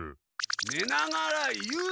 ねながら言うな！